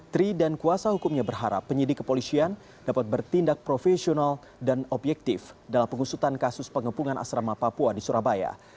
tri dan kuasa hukumnya berharap penyidik kepolisian dapat bertindak profesional dan objektif dalam pengusutan kasus pengepungan asrama papua di surabaya